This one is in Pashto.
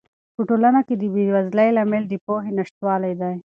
په ټولنه کې د بې وزلۍ لامل د پوهې نشتوالی دی.